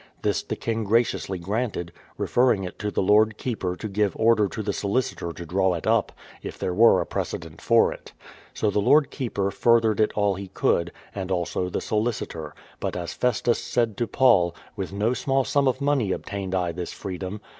This the king graciously granted, referring it to the Lord Keeper to give order tp the solicitor to draw it up, if there were a precedent for it. So THE PLYTIIOUTH SETTLEMENT 205 the Lord Keeper furthered it all he could, and also the solicitor; but as Festus said to Paul : With no small sum of money obtained I this freedom.